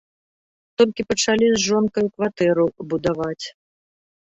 Толькі пачалі з жонкай кватэру будаваць.